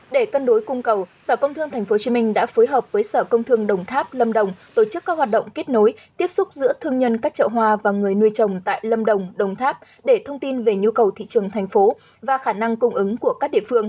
để cân đối cung cầu sở công thương tp hcm đã phối hợp với sở công thương đồng tháp lâm đồng tổ chức các hoạt động kết nối tiếp xúc giữa thương nhân các chợ hoa và người nuôi trồng tại lâm đồng đồng tháp để thông tin về nhu cầu thị trường thành phố và khả năng cung ứng của các địa phương